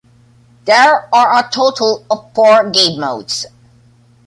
There are a total of four game modes.